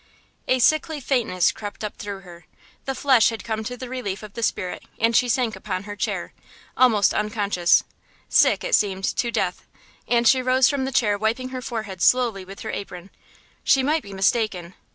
A sickly faintness crept up through her. The flesh had come to the relief of the spirit; and she sank upon her chair, almost unconscious, sick, it seemed, to death, and she rose from the chair wiping her forehead slowly with her apron.... She might be mistaken.